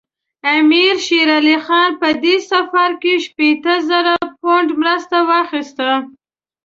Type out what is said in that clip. امیر شېر علي خان په دې سفر کې شپېته زره پونډه مرسته واخیسته.